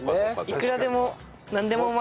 いくらでも。